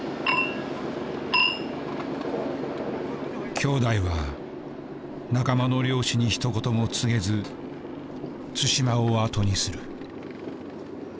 兄弟は仲間の漁師にひと言も告げず対馬を後にする。